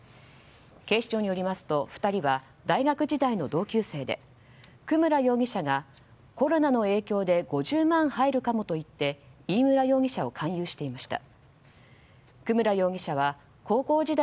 警視庁によりますと２人は大学時代の同級生で久村容疑者がコロナの影響で５０万入るかもと言って飯村容疑者を勧誘していました。